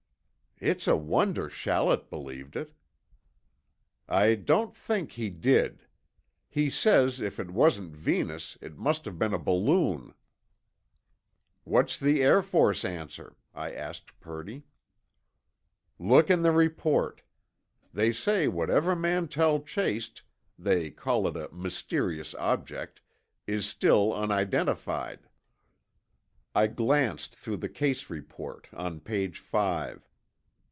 "It's a wonder Shallett believed it." "I don't think he did. He says if it wasn't Venus, it must have been a balloon." "What's the Air Force answer?" I asked Purdy. "Look in the report. They say whatever Mantell chased—they call it a 'mysterious object'—is still unidentified." I glanced through the case report, on page five.